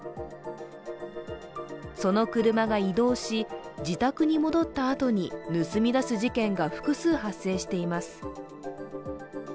その車が移動し、自宅に戻ったあとに盗み出す事件が複数発生しています。